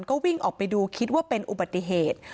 ก็วิ่งออกไปดูคิดว่าเป็นอุบัติเหตุ